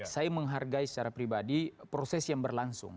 saya menghargai secara pribadi proses yang berlangsung